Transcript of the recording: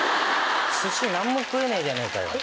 寿司何も食えねえじゃねぇか。